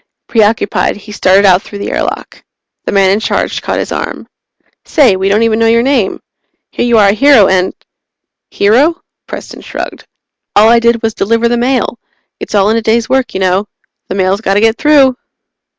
_ Preoccupied, he started out through the airlock. The man in charge caught his arm. "Say, we don't even know your name! Here you are a hero, and " "Hero?" Preston shrugged. "All I did was deliver the mail. It's all in a day's work, you know. The mail's got to get through!"